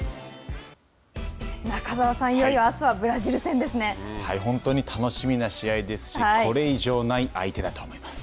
中澤さん、いよいよあすは本当に楽しみな試合ですしこれ以上ない相手だと思います。